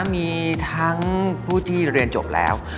มีทั้งผู้ที่เรียนจบแล้ว